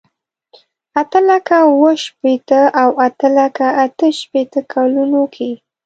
اته لکه اوه شپېته او اته لکه اته شپېته کلونو کې.